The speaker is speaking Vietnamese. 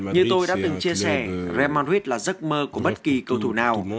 như tôi đã từng chia sẻ real madrid là giấc mơ của bất kỳ cầu thủ nào